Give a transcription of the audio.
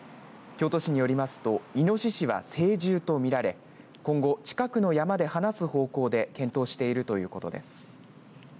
京都市によりますとイノシシは成獣と見られ今後、近くの山で放す方向で検討しているということです。